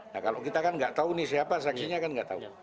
nah kalau kita kan enggak tahu siapa saksinya kan enggak tahu